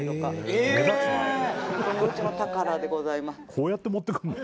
こうやって持ってくるの？